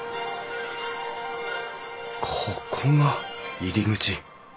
ここが入り口。